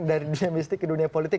dari dunia mistik ke dunia politik